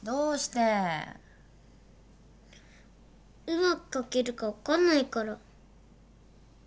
うまく書けるか分かんないから。